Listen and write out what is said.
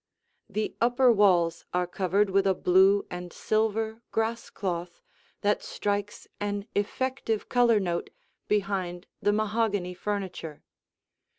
The upper walls are covered with a blue and silver grass cloth that strikes an effective color note behind the mahogany furniture.